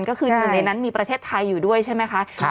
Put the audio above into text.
ก็คือหนึ่งในนั้นมีประเทศไทยอยู่ด้วยใช่ไหมคะ